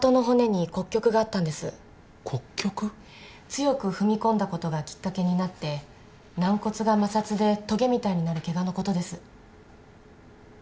強く踏み込んだことがきっかけになって軟骨が摩擦でとげみたいになるケガのことです。